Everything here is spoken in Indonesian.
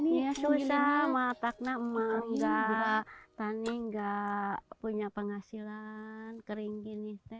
iya susah mak tak nak mak tani enggak punya penghasilan kering gini